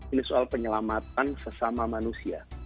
ini soal penyelamatan sesama manusia